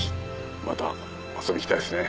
また遊びに来たいですね。